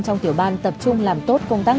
trong tiểu ban tập trung làm tốt công tác